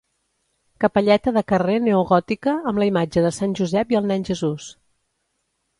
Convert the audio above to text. Capelleta de carrer neogòtica amb la imatge de Sant Josep i el nen Jesús.